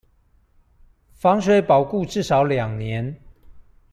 防水保固至少兩年